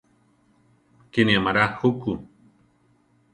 Kíni amará juku.